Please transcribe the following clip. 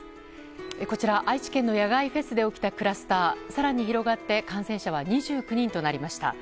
こちら、愛知県の野外フェスで起きたクラスター更に広がって感染者は２９人となりました。